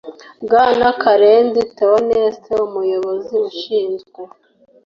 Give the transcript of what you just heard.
Bwana KARENZI Th oneste Umuyobozi ushinzwe